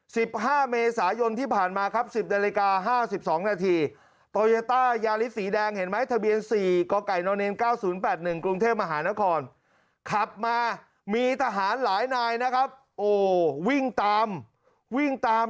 สิบห้าเมษายนที่ผ่านมาครับสิบนาฬิกาห้าสิบสองนาที